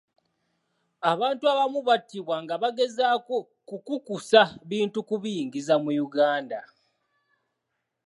Abantu abamu battibwa nga bagezaako kukukusa bintu kubiyingiza mu Uganda.